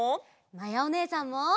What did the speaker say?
まやおねえさんも！